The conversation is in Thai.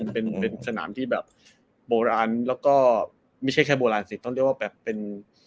เป็นเป็นสนามที่แบบโบราณแล้วก็ไม่ใช่แค่โบราณสิต้องเรียกว่าแบบเป็น